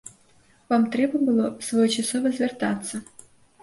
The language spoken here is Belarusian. Вам трэба было своечасова звяртацца.